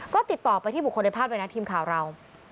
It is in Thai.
ก็ติดต่อไปที่บุคคลในภาพเลยนะทีมข่าวเรา